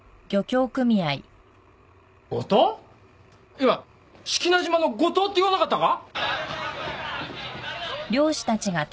今志木那島の五島って言わなかったか？